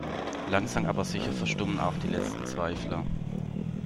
Langsam aber sicher verstummen auch die letzten Zweifler.